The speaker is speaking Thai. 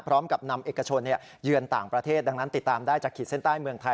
พร้อมกับนำเอกชนเยือนต่างประเทศดังนั้นติดตามได้จากขีดเส้นใต้เมืองไทย